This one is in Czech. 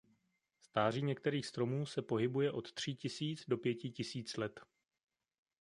Stáří některých stromů se pohybuje od tří tisíc do pěti tisíc let.